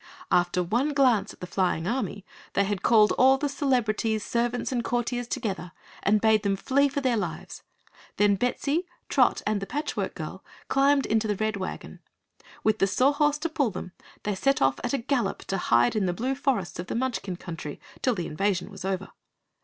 After one glance at the flying army, they had called all the celebrities, servants and courtiers together and bade them flee for their lives. Then Bettsy, Trot, and the Patchwork Girl, climbed into the Red Wagon. With the Saw Horse to pull them, they set off at a gallop to hide in the Blue Forests of the Munchkin Country till the invasion was over.